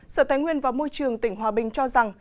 sở tài nguyên và môi trường tỉnh hòa bình cho rằng